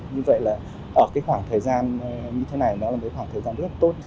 như vậy là ở cái khoảng thời gian như thế này nó là một khoảng thời gian rất là tốt